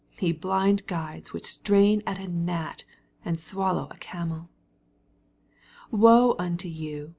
24 Te blind guides which strain at a gnat, and swallow a camel. 25 Woe unto you.